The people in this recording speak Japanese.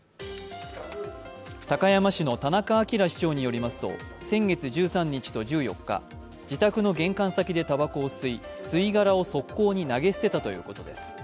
高山市の田中明市長によりますと先月１３日と１４日自宅の玄関先でたばこを吸い、吸い殻を側溝に投げ捨てたということです。